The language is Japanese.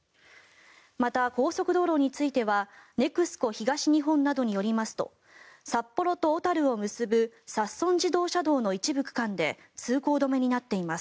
また、高速道路についてはネクスコ東日本などによりますと札幌と小樽を結ぶ札樽自動車道の一部区間で通行止めになっています。